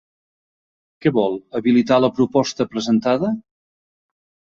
Què vol habilitar la proposta presentada?